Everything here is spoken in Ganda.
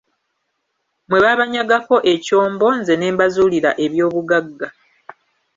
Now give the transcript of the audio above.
Mmwe baabanyagako ekyombo; nze ne mbazuulira eby'obugagga.